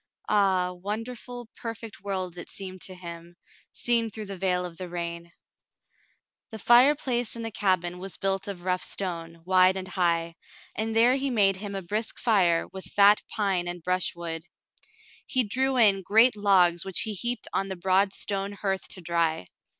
Ah, wonderful, perfect world it seemed to him, seen through the veil of the rain. The fireplace in the cabin was built of rough stone, wide and high, and there he made him a brisk fire with fat pine and brushwood. He drew in great logs which he heaped on the broad stone hearth to dry.